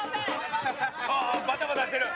バタバタしてる。